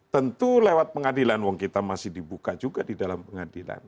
tentu lewat pengadilan wong kita masih dibuka juga di dalam pengadilan